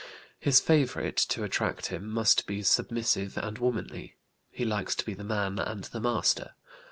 His favorite to attract him must be submissive and womanly; he likes to be the man and the master.